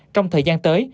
trong thời gian tới